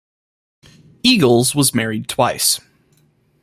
Eagels was married twice.